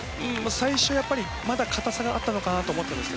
最初はまだ硬さがあったのかなと思っていました。